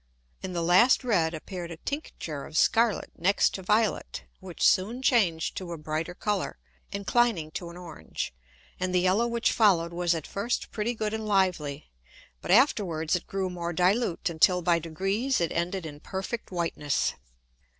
In the last red appeared a tincture of scarlet next to violet, which soon changed to a brighter Colour, inclining to an orange; and the yellow which follow'd was at first pretty good and lively, but afterwards it grew more dilute until by degrees it ended in perfect whiteness.